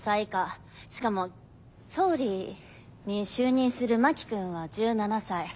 しかも総理に就任する真木君は１７才。